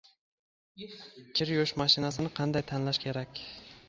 Kir yuvish mashinasini qanday tanlash kerak?